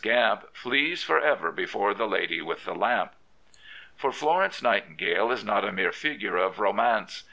Gamp flees for ever before the lady with the lamp. For Florence Nightingale is not a mere figure of romance.